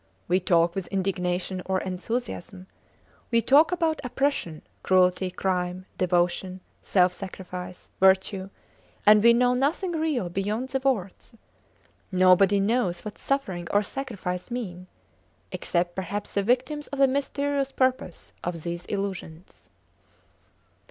We talk with indignation or enthusiasm; we talk about oppression, cruelty, crime, devotion, self sacrifice, virtue, and we know nothing real beyond the words. Nobody knows what suffering or sacrifice mean except, perhaps the victims of the mysterious purpose of these illusions.